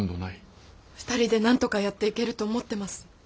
２人でなんとかやっていけると思ってます。